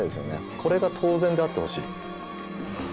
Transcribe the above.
これが当然であってほしい。